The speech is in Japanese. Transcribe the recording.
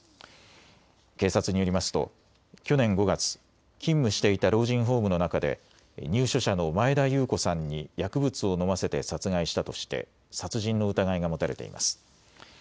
警察によりますと去年５月、勤務していた老人ホームの中で入所者の前田裕子さんに薬物を飲ませて殺害したとして殺人の疑いが持たれています。